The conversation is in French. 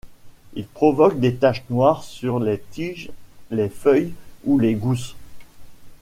Il provoque des taches noires sur les tiges, les feuilles ou les gousses.